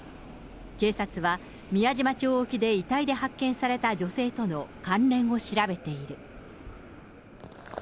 警察は、宮島町沖で遺体で発見された女性との関連を調べている。